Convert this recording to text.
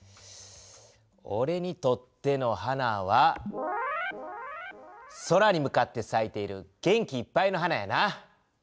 おれにとっての花は空に向かってさいている元気いっぱいの花やな。